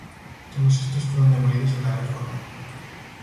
Todos estos fueron demolidos en la Reforma.